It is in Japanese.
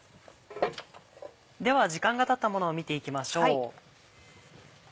では時間がたったものを見ていきましょう。